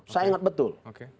saya ingat betul